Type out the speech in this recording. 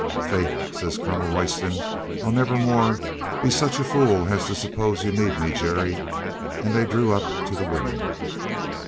"Faith," says Colonel Royston, "I'll never more be such a fool as to suppose you need me, Jerry," and they drew up to the women.